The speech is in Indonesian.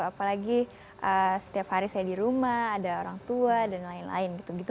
apalagi setiap hari saya di rumah ada orang tua dan lain lain gitu gitu